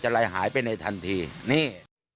ลายหายไปในทันทีนี่